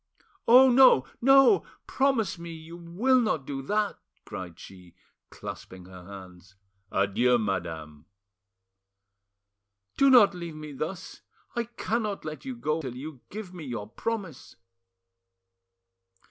"Oh no! no! Promise me you will not do that!" cried she, clasping her hands. "Adieu, madame." "Do not leave me thus! I cannot let you go till you give me your promise!"